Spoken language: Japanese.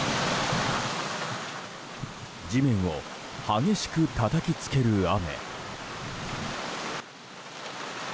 地面を激しくたたきつける雨。